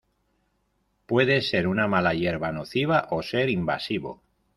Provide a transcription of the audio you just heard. Puede ser una mala hierba nociva o ser invasivo.